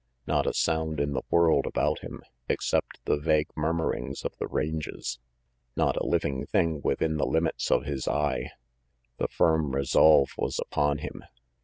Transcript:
Not a sound in the world about him, except the vague murmurings of the ranges. Not a living thing within the limits of his eye. The firm resolve was upon him.